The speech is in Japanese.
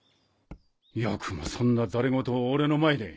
よくもそんな戯れ言を俺の前で。